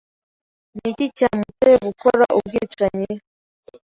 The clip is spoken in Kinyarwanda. Ni iki cyamuteye gukora ubwicanyi?